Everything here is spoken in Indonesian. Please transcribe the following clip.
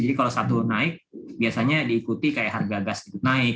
jadi kalau satu naik biasanya diikuti kayak harga gas naik